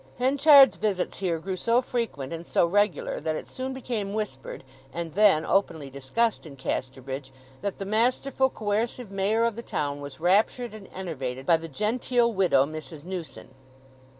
Henchard's visits here grew so frequent and so regular that it soon became whispered, and then openly discussed in Casterbridge that the masterful, coercive Mayor of the town was raptured and enervated by the genteel widow Mrs. Newson.